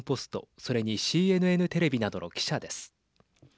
それにＣＮＮテレビなどの記者です。